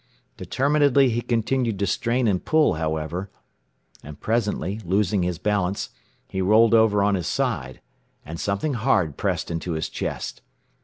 Determinedly he continued to strain and pull, however, and presently, losing his balance, he rolled over on his side, and something hard pressed into his chest.